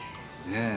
ねえ。